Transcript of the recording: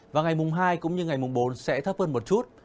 và ngày mùng hai cũng như ngày mùng bốn sẽ thấp hơn một chút